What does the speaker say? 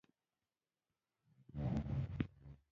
ښوونځی د زده کړې بنسټ دی.